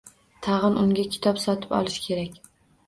Tag`in unga kitob sotib olish kerak